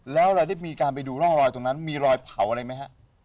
แล้วเราได้มีการไปดูร่องรอยตรงนั้นมีรอยเผาอะไรไหมฮะ